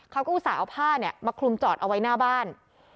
อุตส่าห์เอาผ้าเนี่ยมาคลุมจอดเอาไว้หน้าบ้าน